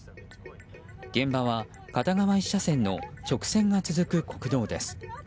現場は片側１車線の直線が続く国道です。